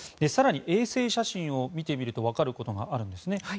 更に、衛星写真を見るとわかることがあるんですね。